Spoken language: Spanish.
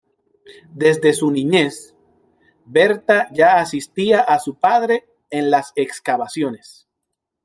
Desde su niñez, Bertha ya asistía a su padre en las excavaciones.